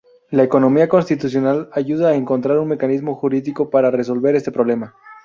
La economía constitucional ayuda a encontrar un mecanismo jurídico para resolver este problema.